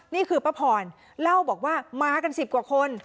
นี่คือป้าพรเล่าบอกว่ามากัน๑๐กว่าคน